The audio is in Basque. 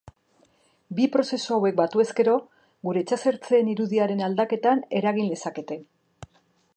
Bi prozesu hauek batu ezkero, gure itsasertzeen irudiaren aldaketan eragin lezakete.